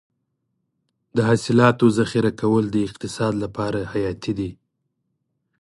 د حاصلاتو ذخیره کول د اقتصاد لپاره حیاتي دي.